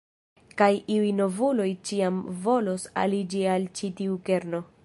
Kaj iuj novuloj ĉiam volos aliĝi al ĉi tiu kerno.